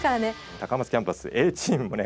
高松キャンパスＡチームもね